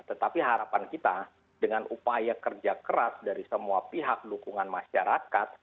tetapi harapan kita dengan upaya kerja keras dari semua pihak dukungan masyarakat